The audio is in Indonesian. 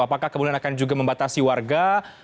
apakah kemudian akan juga membatasi warga